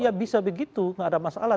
ya bisa begitu nggak ada masalah